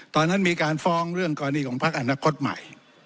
ตอนนั้นมีการฟองเรื่องกรณีกรรมภัคอาณาคตใหม่